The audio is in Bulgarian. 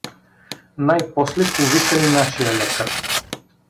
Най-после повикали нашия лекар.